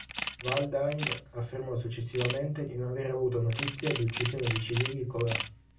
Waldheim affermò successivamente di non aver avuto notizia di uccisioni di civili colà.